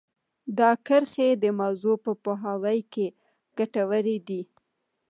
دا کرښې د موضوع په پوهاوي کې ګټورې دي